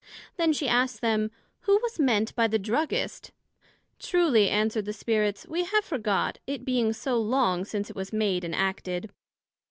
Then she asked them, Who was meant by the Druggist? Truly, answered the Spirits, We have forgot, it being so long since it was made and acted.